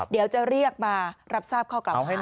เดี๋ยวจะเรียกมารับทราบข้อกลับหานะครับ